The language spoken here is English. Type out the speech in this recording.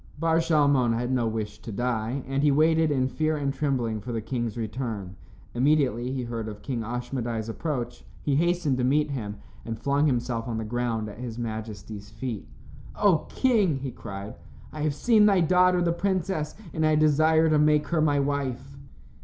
Bar Shalmon had no wish to die, and he waited, in fear and trembling for the king's return. Immediately he heard of King Ashmedai's approach, he hastened to meet him and flung himself on the ground at his majesty's feet. "O King," he cried, "I have seen thy daughter, the princess, and I desire to make her my wife."